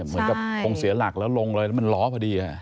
เหมือนกับคงเสียหลักแล้วลงเลยแล้วมันล้อพอดี